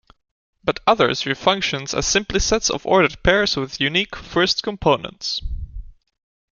But others view functions as simply sets of ordered pairs with unique first components.